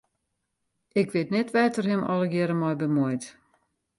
Ik wit net wêr't er him allegearre mei bemuoit.